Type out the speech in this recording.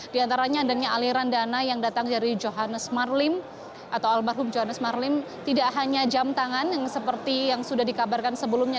di antaranya adanya aliran dana yang datang dari johannes marlim atau almarhum johannes marlim tidak hanya jam tangan yang seperti yang sudah dikabarkan sebelumnya